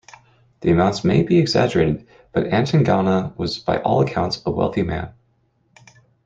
The amounts may be exaggerated, but Atangana was by all accounts a wealthy man.